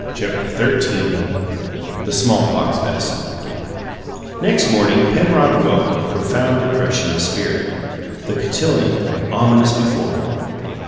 CHAPTER XIII THE SMALLPOX MEDICINE Next morning Penrod woke in profound depression of spirit, the cotillon ominous before him.